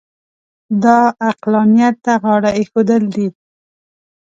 دا عقلانیت ته غاړه اېښودل دي.